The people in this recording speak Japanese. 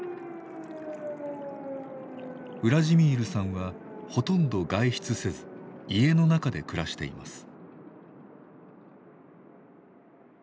ウラジミールさんはほとんど外出せず家の中で暮らしています。